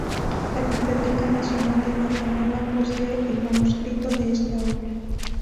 La Biblioteca Nacional de Guatemala posee el manuscrito de esta obra.